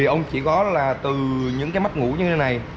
ông chỉ có là từ những cái mắt ngủ như thế này